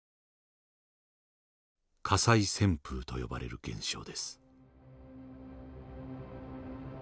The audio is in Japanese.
火災旋風と呼ばれる現象です。